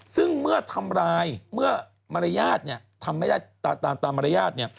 ซึ่งเมื่อทำร้ายเมื่อมารยาททำไม่ได้ตามมารยาท